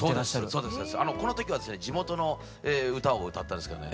この時はですね地元の歌を歌ったんですけどね